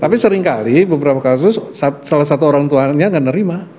tapi sering kali beberapa kasus salah satu orang tuanya gak nerima